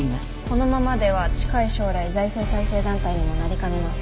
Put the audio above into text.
このままでは近い将来財政再生団体にもなりかねません。